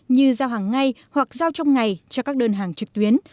như giao hàng ngay hoặc giao trong ngày cho các đơn hàng trực tuyến